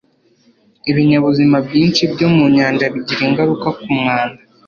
ibinyabuzima byinshi byo mu nyanja bigira ingaruka ku mwanda